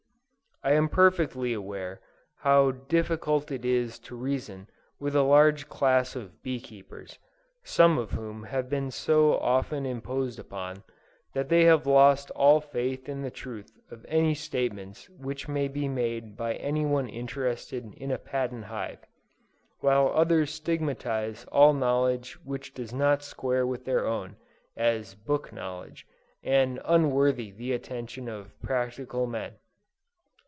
I am perfectly aware how difficult it is to reason with a large class of bee keepers, some of whom have been so often imposed upon, that they have lost all faith in the truth of any statements which may be made by any one interested in a patent hive, while others stigmatize all knowledge which does not square with their own, as "book knowledge," and unworthy the attention of practical men.